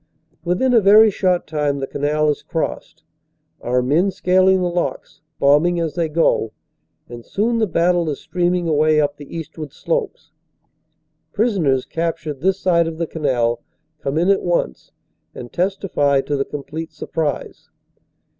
Within a very short time the canal is crossed, our men scal ing the locks, bombing as they go, and soon the battle is stream ing away up the eastward slopes. Prisoners, captured this side of the canal, come in at once and testify to the complete sur prise.